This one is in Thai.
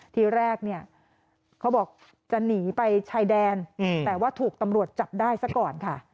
ทีแรกเนี่ยเขาบอกจะหนีไปชายแดนแต่ว่าถูกตำรวจจับได้ซะก่อนค่ะ